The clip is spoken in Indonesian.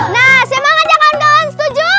nah siapa yang ngajak kawan kawan setuju